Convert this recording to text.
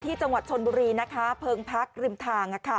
ที่จังหวัดชนบุรีนะคะเพลิงพลักษณ์ริมทางค่ะ